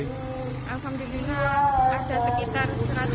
alhamdulillah ada sekitar satu ratus lima puluh lebih yang ingin vaksin